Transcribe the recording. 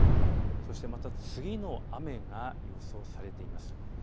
そしてまた次の雨が予想されています。